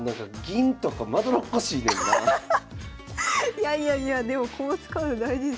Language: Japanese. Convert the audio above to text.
いやいやいやでも駒使うの大事ですからね。